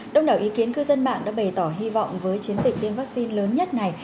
đông đảo ý kiến cư dân mạng đã bày tỏ hy vọng với chiến dịch tiêm vaccine lớn nhất này